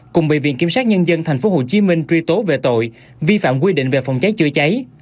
cùng bị viện kiểm sát nhân dân tp hcm truy tố về tội vi phạm quy định về phòng cháy chữa cháy